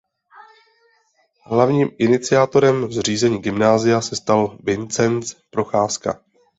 Hlavním iniciátorem zřízení gymnázia se stal Vincenc Procházka.